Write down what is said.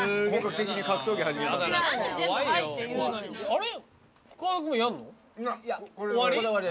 あれ？